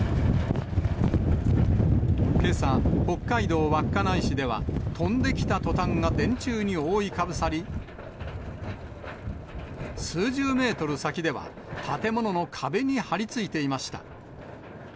けさ、北海道稚内市では、飛んできたトタンが電柱に覆いかぶさり、数十メートル先では、建物の壁に張り付いていました。